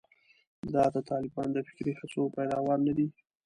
دا د طالبانو د فکري هڅو پیداوار نه دي.